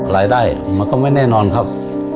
รายได้มันก็ไม่แน่นอนครับ